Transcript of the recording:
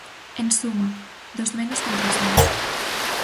En suma, dos menos contra as máis.